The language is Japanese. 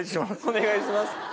お願いします。